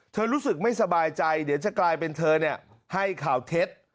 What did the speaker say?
รู้สึกไม่สบายใจเดี๋ยวจะกลายเป็นเธอให้ข่าวเท็จ